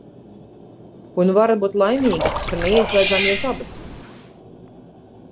Un varat būt laimīgas, ka neieslēdzām jūs abas!